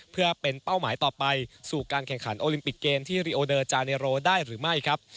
เพื่อเป็นเป้าหมายต่อไปสู่การแข่งขันโอลิมปิกเกมที่ริโอเดอร์จาเนโรได้หรือไม่ครับ